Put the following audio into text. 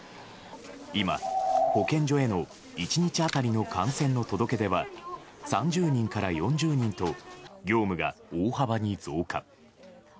今、保健所への１日当たりの感染の届け出は３０人から４０人と業務が大幅に増加。